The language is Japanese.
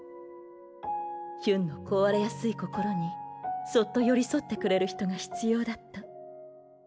ヒュンの壊れやすい心にそっと寄り添ってくれる人が必要だった。